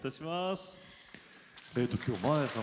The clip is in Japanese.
えと今日真彩さん